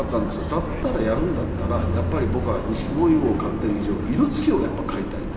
だったらやるんだったらやっぱり僕はニシキゴイを飼っている以上色付きをやっぱり飼いたいと。